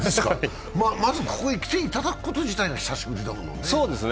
まず、ここへ来ていただくこと自体が久しぶりだもんね。